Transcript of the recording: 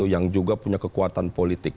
yang juga punya kekuatan politik